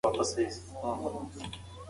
د تجمل دود د مالیاتو د زیاتوالي سبب سو.